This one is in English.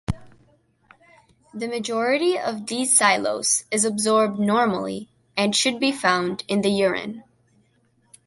The majority of D-Xylose is absorbed normally, and should be found in the urine.